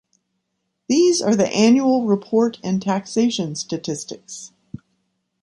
These are the Annual Report and Taxation Statistics.